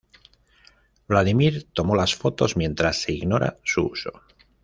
Vladimir tomó las fotos mientras se ignora su uso.